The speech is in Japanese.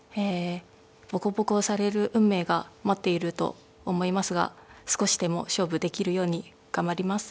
ボコボコにされる運命が待っていると思いますが少しでも勝負できるように頑張ります。